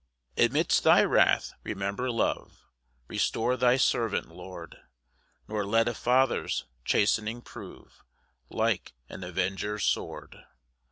1 Amidst thy wrath remember love, Restore thy servant, Lord; Nor let a father's chastening prove Like an avenger's sword.